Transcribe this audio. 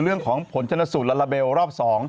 เรื่องของผลชนสุดและระเบลรอบ๒